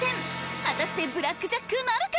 果たしてブラックジャックなるか？